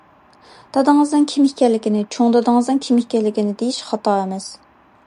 دادىڭىزنىڭ كىم ئىكەنلىكىنى، چوڭ دادىڭىزنىڭ كىم ئىكەنلىكىنى دېيىش خاتا ئەمەس.